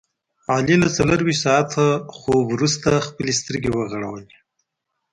علي له څلوریشت ساعته خوب ورسته خپلې سترګې وغړولې.